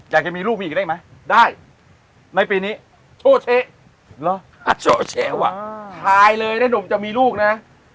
แต่แกมีลูกมีอีกได้ไหมในปีนี้โชเชะช่ายเลยเนี่ยหนุ่มจะมีลูกนะ